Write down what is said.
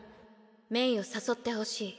メイを誘ってほしい。